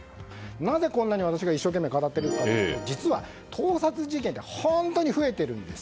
なぜこんなに私が一生懸命語ってるかというと実は、盗撮事件って本当に増えているんです。